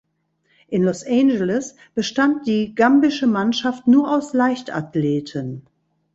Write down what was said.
In Los Angeles bestand die gambische Mannschaft nur aus Leichtathleten.